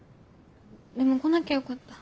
でも来なきゃよかった。